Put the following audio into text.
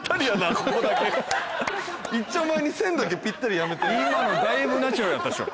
ここだけ一丁前に線だけピッタリやめて今のだいぶナチュラルやったでしょ？